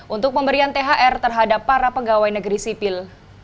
untuk pemberian thr terhadap para pegawai negeri sipil